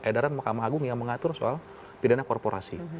edaran mahkamah agung yang mengatur soal pidana korporasi